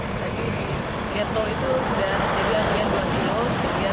tadi di lietol itu sudah terjadi arus lintas